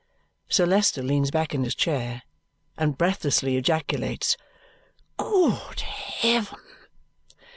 Sir Leicester leans back in his chair, and breathlessly ejaculates, "Good heaven!"